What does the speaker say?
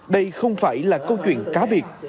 đây không phải là câu chuyện cá biệt